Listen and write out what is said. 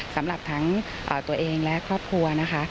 สำหรับทั้งตัวเองและครอบครัวนะคะ